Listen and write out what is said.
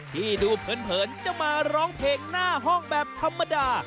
ที่ดูเผินจะมาร้องเพลงหน้าห้องแบบธรรมดา